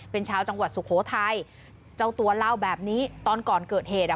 เป็นชาวจังหวัดสุโขทัยเจ้าตัวเล่าแบบนี้ตอนก่อนเกิดเหตุอ่ะ